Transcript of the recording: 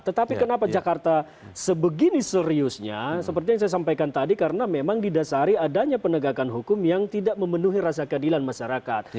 tetapi kenapa jakarta sebegini seriusnya seperti yang saya sampaikan tadi karena memang didasari adanya penegakan hukum yang tidak memenuhi rasa keadilan masyarakat